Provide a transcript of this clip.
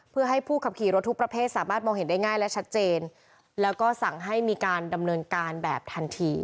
เพื่อให้ผู้ขับขี่รถทุกประเภทสามารถมองเห็นได้ง่ายและชัดเจนแล้วก็สั่งให้มีการดำเนินการแบบทันที